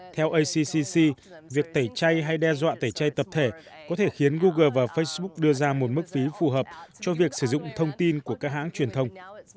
theo acccc việc tẩy chay hay đe dọa tẩy chay tập thể có thể khiến google và facebook đưa ra một mức phí phù hợp cho việc sử dụng thông tin của các hãng truyền thông